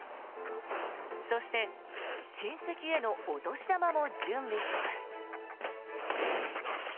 そして親戚へのお年玉も準備します。